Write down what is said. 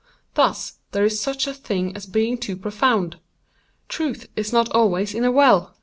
Thus there is such a thing as being too profound. Truth is not always in a well.